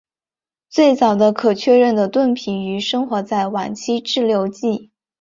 最早的可确认的盾皮鱼生活在晚期志留纪。